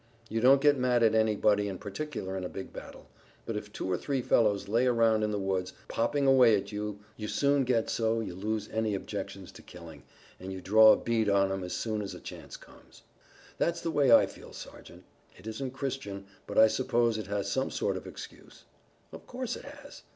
"You don't get mad at anybody in particular in a big battle, but if two or three fellows lay around in the woods popping away at you you soon get so you lose any objections to killing, and you draw a bead on 'em as soon as a chance comes." "That's the way I feel, Sergeant. It isn't Christian, but I suppose it has some sort of excuse." "Of course it has.